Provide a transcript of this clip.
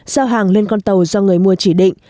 giao hàng lên con tàu do người mua chỉ định